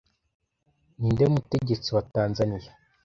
Ninde mutegetsi wa tanzaniya